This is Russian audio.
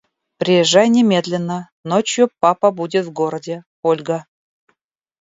Приезжай немедленно ночью папа будет в городе Ольга.